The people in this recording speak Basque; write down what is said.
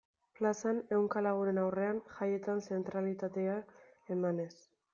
Plazan, ehunka lagunen aurrean, jaietan zentralitatea emanez.